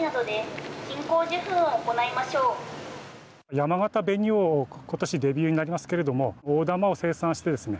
やまがた紅王、ことしデビューになりますけども大玉を生産してですね。